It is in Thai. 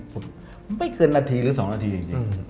ผมไม่เกินหนัฐีหรือ๒นาทีแหละจริง